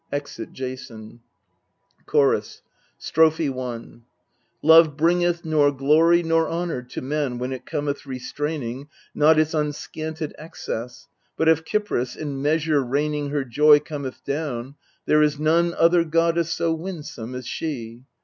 {Exit JASON. CHORUS. Strophe i Love bringeth nor glory nor honour to men when it cometh restraining Not its unscanted excess ; but if Kypris, in measure raining Her joy, cometh down, there is none other goddess so winsome as she.